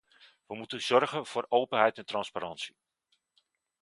We moeten zorgen voor openheid en transparantie.